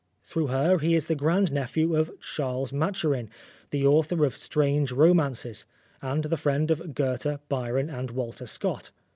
Through her he is the grand nephew of Charles Mathurin, the author of strange romances, and the friend of Goethe, Byron, and Walter Scott.